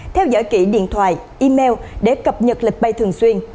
theo dõi kỹ điện thoại email để cập nhật lịch bay thường xuyên